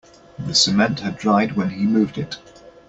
The cement had dried when he moved it.